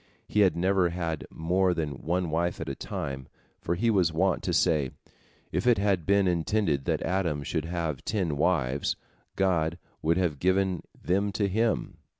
He had never had more than one wife at a time, for he was wont to say, "If it had been intended that Adam should have ten wives, God would have given them to him.